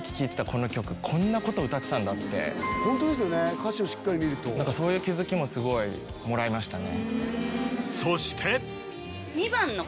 歌詞をしっかり見るとそういう気づきもすごいもらいましたね